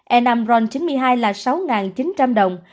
e năm ron chín mươi hai là sáu chín trăm linh đồng